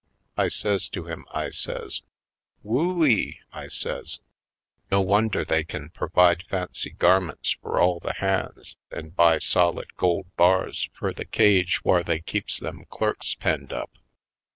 I says to him, I says: ^'Who eeT I says. "No wonder they kin purvide fancy garments fur all the hands an' buy solid gold bars fur the cage whar they keeps them clerks penned up.